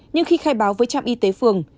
nhưng khi khai báo với trạm y tế phường